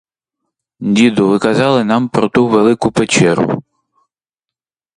Діду, ви казали нам про ту велику печеру.